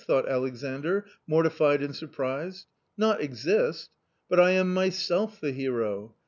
" thought Alexandr, mortified and surprised —" not exist ? but I am myself the hero.